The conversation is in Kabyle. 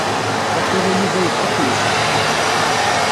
Waqila Yuba ibɣa ad aken-iẓer.